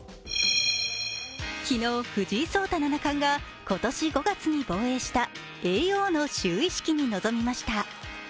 昨日、藤井聡太七冠が今年５月に防衛した叡王の就位式に臨みました。